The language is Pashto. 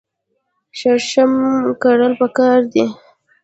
شړشم کرل پکار دي.